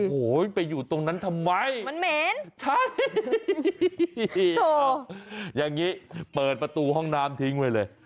โอ้โหไปอยู่ตรงนั้นทำไมมันเหม็นใช่อย่างนี้เปิดประตูห้องน้ำทิ้งไว้เลย